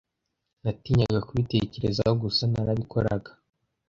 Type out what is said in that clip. Natinyaga kubitekerezaho gusa narabikoraga